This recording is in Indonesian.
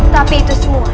tapi itu semua